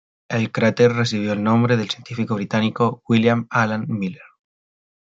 El cráter recibió el nombre del científico británico William Allen Miller.